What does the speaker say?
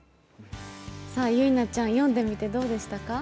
ゆいなちゃん、読んでみてどうでしたか。